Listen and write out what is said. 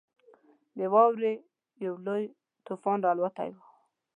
د واورې یو لوی طوفان راالوتی وو.